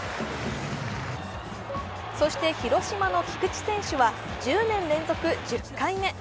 そして広島の菊池選手は１０年連続１０回目。